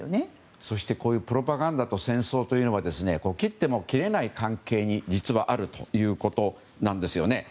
そしてプロパガンダと戦争というのは切っても切れない関係に実はあるということなんです。